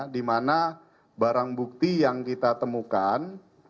di mana barang bukti yang kita temukan